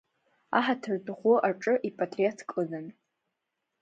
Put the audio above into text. Аҳаҭыртә ӷәы аҿы ипатреҭ кыдын.